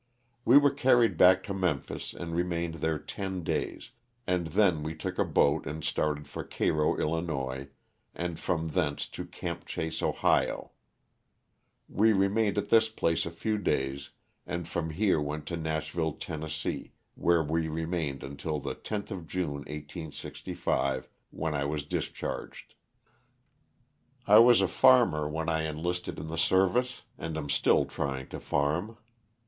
We were carried back to Memphis and remained there ten days, and then we took a boat and started for Cairo, 111., and from thence to '* Camp Chase," Ohio. We remained at this place a few days and from here went to Nashville, Tenn., where we remained until the loth of June, 1865, when I was discharged. I was a farmer when I enlisted in the service and am still trying to farm.